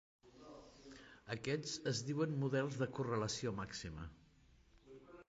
Aquests es diuen models de correlació màxima.